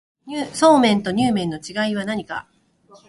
そうめんとにゅう麵の違いは何か